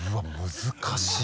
難しい。